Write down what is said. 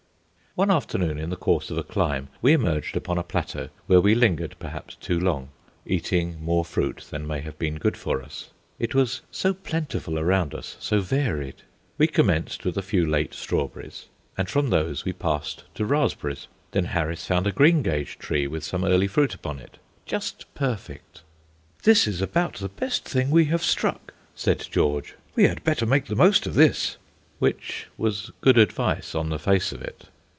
One afternoon in the course of a climb we emerged upon a plateau, where we lingered perhaps too long, eating more fruit than may have been good for us; it was so plentiful around us, so varied. We commenced with a few late strawberries, and from those we passed to raspberries. Then Harris found a greengage tree with some early fruit upon it, just perfect. "This is about the best thing we have struck," said George; "we had better make the most of this." Which was good advice, on the face of it.